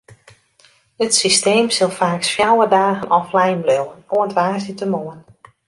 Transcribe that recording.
It systeem sil faaks fjouwer dagen offline bliuwe, oant woansdeitemoarn.